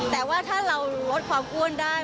แต่ว่าถ้าเราลดความอ้วนได้